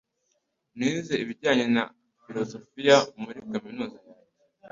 Nize ibijyanye na filozofiya muri kaminuza yanjye.